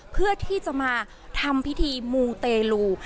เพื่อที่จะมาทำพิธีมูเตลู